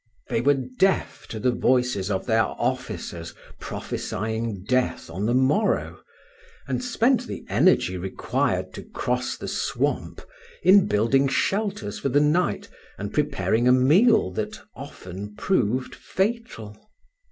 They were deaf to the voices of their officers prophesying death on the morrow, and spent the energy required to cross the swamp in building shelters for the night and preparing a meal that often proved fatal.